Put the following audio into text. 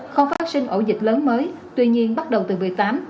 không phát sinh ổ dịch lớn mới tuy nhiên bắt đầu từ bệnh